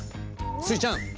スイちゃん